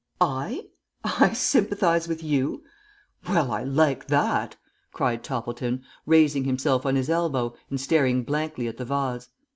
"I? I sympathize with you? Well, I like that," cried Toppleton, raising himself on his elbow and staring blankly at the vase.